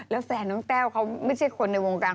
แต่น้องแต้วเขาไม่ใช่คนในวงการ